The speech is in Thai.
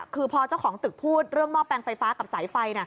คือพอเจ้าของตึกพูดเรื่องหม้อแปลงไฟฟ้ากับสายไฟ